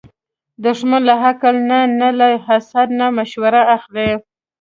دښمن له عقل نه نه، له حسد نه مشوره اخلي